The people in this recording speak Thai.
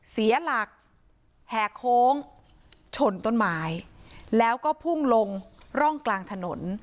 เสียหลักแหกโค้งชนต้นไม้แล้วก็พุ่งลงร่องกลางถนน